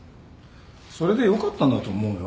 それで良かったんだと思うよ。